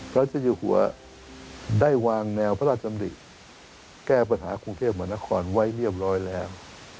เจ้าอยู่หัวได้วางแนวพระราชดำริแก้ปัญหากรุงเทพมหานครไว้เรียบร้อยแล้ว